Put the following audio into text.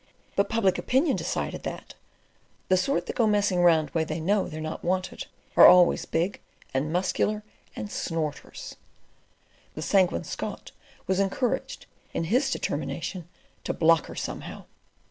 But public opinion deciding that "the sort that go messing round where they know they're not wanted are always big and muscular and snorters," the Sanguine Scot was encouraged in his determination to "block her somehow."